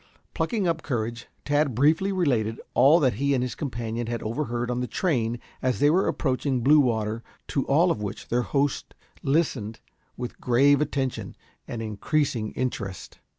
Plucking up courage, Tad briefly related all that he and his companion had overheard on the train as they were approaching Bluewater to all of which their host listened with grave attention and increasing interest.